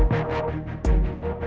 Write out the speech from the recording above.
mas di sini ap